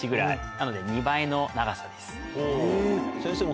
なので２倍の長さです。